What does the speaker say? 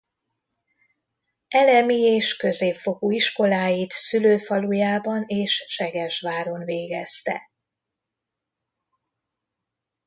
Elemi és középfokú iskoláit szülőfalujában és Segesváron végezte.